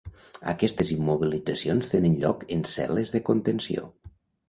Aquestes immobilitzacions tenen lloc en "cel·les de contenció".